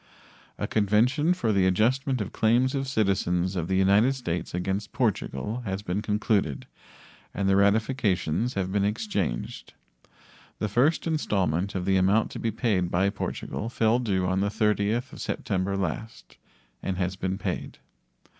A convention for the adjustment of claims of citizens of the United States against Portugal has been concluded and the ratifications have been exchanged. The first installment of the amount to be paid by Portugal fell due on the 30th of September last and has been paid.